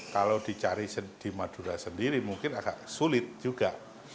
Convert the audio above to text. kalau dicari di madura sendiri mungkin agak sulit juga